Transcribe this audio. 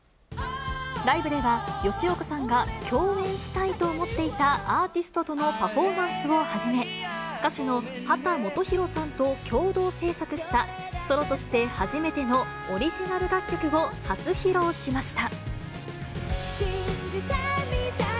ライブでは、吉岡さんが共演したいと思っていたアーティストとのパフォーマンスをはじめ、歌手の秦基博さんと共同制作したソロとして初めてのオリジナル楽曲を初披露しました。